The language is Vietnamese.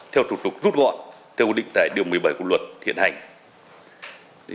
theo thủ tục rút gọn theo định tài điều một mươi bảy của luật hiện hành